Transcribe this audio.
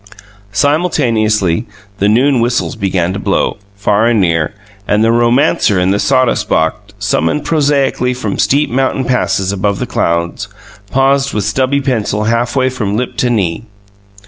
Simultaneously, the noon whistles began to blow, far and near; and the romancer in the sawdust box, summoned prosaically from steep mountain passes above the clouds, paused with stubby pencil halfway from lip to knee.